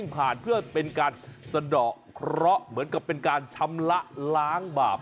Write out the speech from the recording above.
ผ่านเพื่อเป็นการสะดอกเคราะห์เหมือนกับเป็นการชำระล้างบาป